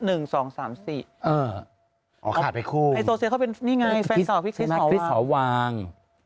เอออ๋อขาดไปคู่ไฮโซเซียเขาเป็นนี่ไงแฟนสาวพริกฤทธิ์สาววาง